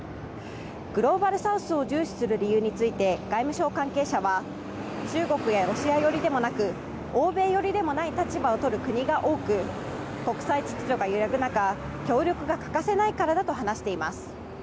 グローバルサウスを重視する理由について外務省関係者は中国やロシア寄りでもなく欧米寄りでもない立場を取る国が多く国際秩序が揺らぐ中協力が欠かせないからだと話しています。